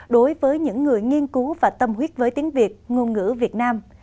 đối với những người nghiên cứu và tâm huyết với tiếng việt ngôn ngữ việt nam